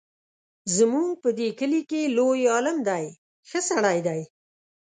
زموږ په دې کلي کې لوی عالم دی ښه سړی دی.